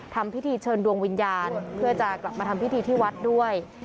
ทำพิธีเชิญดวงวิญญาณเพื่อจะกลับมาทำพิธีที่วัดด้วย